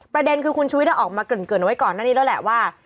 ประเด็นคือคุณชุวิตออกมาเกริ่นไว้ก่อนหน้านี้แล้วแหละว่า